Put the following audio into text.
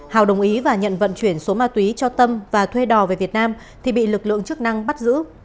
hào đồng ý và nhận vận chuyển số ma túy cho tâm và thuê đò về việt nam thì bị lực lượng chức năng bắt giữ